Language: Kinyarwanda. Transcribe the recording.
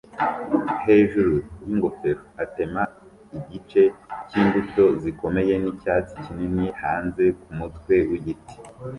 hejuru yingofero atema igice cyimbuto zikomeye nicyatsi kinini hanze kumutwe wigiti